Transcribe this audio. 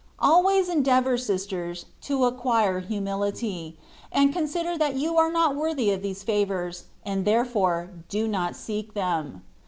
Always endeavour, sisters, to acquire humility ; and consider that you are not worthy of these favours, and therefore do not seek them.